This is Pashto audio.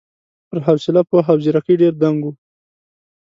پر حوصله، پوهه او ځېرکۍ ډېر دنګ و.